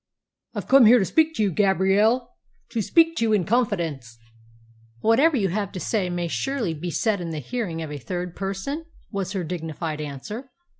"I've come here to speak to you, Gabrielle to speak to you in confidence." "Whatever you have to say may surely be said in the hearing of a third person?" was her dignified answer.